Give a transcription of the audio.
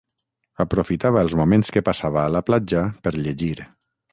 Aprofitava els moments que passava a la platja per llegir.